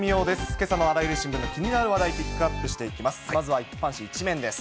けさのあらゆる新聞の気になる話題、ピックアップしていきます。